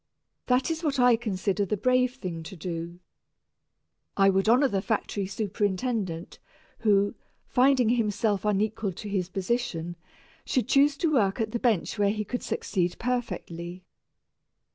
That is what I consider the brave thing to do. I would honor the factory superintendent, who, finding himself unequal to his position, should choose to work at the bench where he could succeed perfectly.